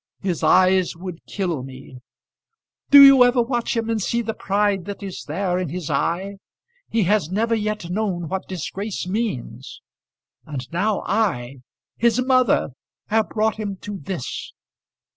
His eyes would kill me. Do you ever watch him and see the pride that there is in his eye? He has never yet known what disgrace means; and now I, his mother, have brought him to this!"